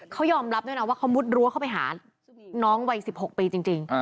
เขายอมรับด้วยนะว่าเขามุดรั้วเข้าไปหาน้องวัย๑๖ปีจริง